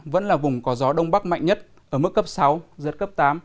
vẫn là vùng có gió đông bắc mạnh nhất ở mức cấp sáu giật cấp tám